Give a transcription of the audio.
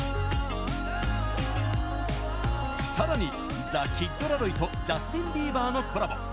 さらにザ・キッド・ラロイとジャスティン・ビーバーのコラボ。